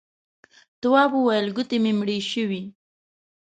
تواب وويل: گوتې مې مړې شوې.